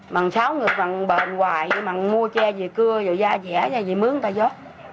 mặn sáu người mặn bệnh hoài mặn mua tre về cưa rồi ra rẻ ra về mướn ta vô